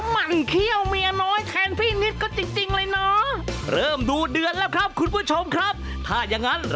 หมอเขามีเลือดซึมเขาก็ไสไปเลยเขาก็ไปผ่าหมองเลย